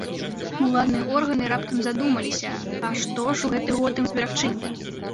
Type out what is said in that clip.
Уладныя органы раптам задумаліся, а што ж у гэты год ім зберагчы?